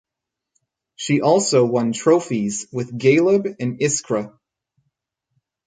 She also won trophies with Galeb and Iskra.